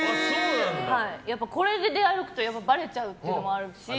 これで出歩くとばれちゃうっていうのもあるし。